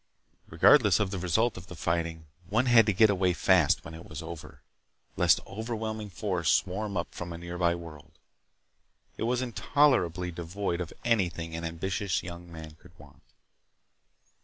Regardless of the result of the fighting, one had to get away fast when it was over, lest overwhelming force swarm up from the nearby world. It was intolerably devoid of anything an ambitious young man would want.